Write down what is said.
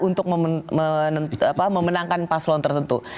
untuk memenangkan paslon tertentu